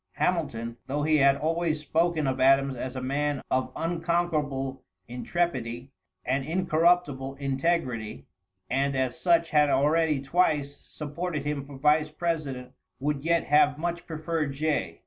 Hamilton, though he had always spoken of Adams as a man of unconquerable intrepidity and incorruptible integrity, and as such had already twice supported him for vice president, would yet have much preferred Jay.